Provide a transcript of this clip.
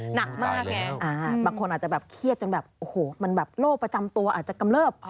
หนักมากไงบางคนอาจจะแบบเครียดจนแบบโอ้โหมันแบบโรคประจำตัวอาจจะกำเลิบ